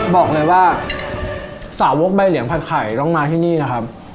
บอกเลยว่าสาวกใบเหลียงผัดไข่ต้องมาที่นี่นะครับ